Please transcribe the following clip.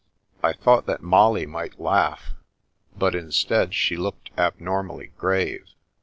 I thought that Molly might laugh, but instead she looked abnormally grave.